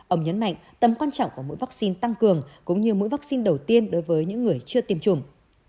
ông nhấn mạnh tầm quan trọng của mỗi vaccine tăng cường cũng như mũi vaccine đầu tiên đối với những người chưa tiêm chủng